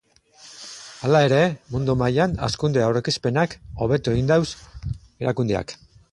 Hala ere, mundu mailan, hazkunde aurreikuspenak hobetu egin ditu erakundeak.